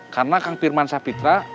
karena kang pirman sah fitra